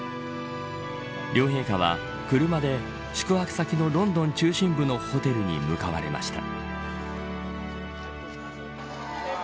両陛下は、車で宿泊先のロンドン中心部のホテルに向かわれました。